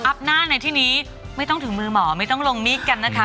หน้าในที่นี้ไม่ต้องถึงมือหมอไม่ต้องลงมีดกันนะคะ